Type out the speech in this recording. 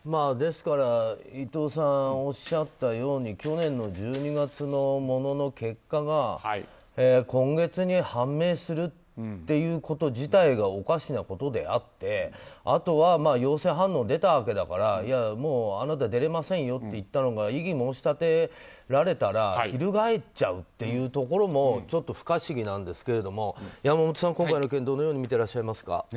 ですから伊藤さんがおっしゃったように去年の１２月のものの結果が今月に判明するということ自体がおかしなことであってあとは陽性反応出たわけだからもうあなた出れませんよと言ったのが異議を申し立てられたら翻っちゃうというところも不可思議なんですけど山本さん、今回の件どのように見ていらっしゃいますか。